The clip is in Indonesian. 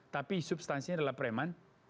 tapi substansinya adalah preman